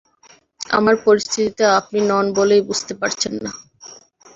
আমার পরিস্থিতিতে আপনি নন বলেই বুঝতে পারছেন না।